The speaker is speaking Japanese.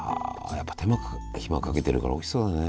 やっぱり手間暇かけてるからおいしそうだね。